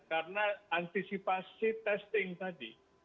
karena antisipasi testing tadi